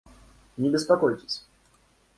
Не беспокойтесь!